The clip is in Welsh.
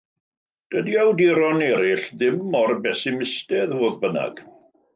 Dydi awduron eraill ddim mor besimistaidd, fodd bynnag.